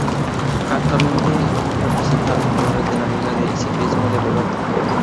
Actualmente representa los colores de la liga de ciclismo de Bogotá.